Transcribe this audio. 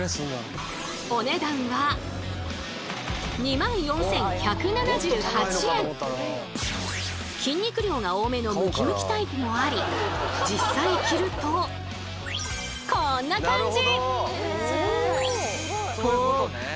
お値段は筋肉量が多めのムキムキタイプもあり実際着るとこんな感じ！